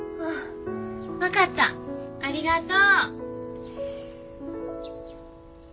分かったありがとう！